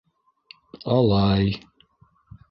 Алай...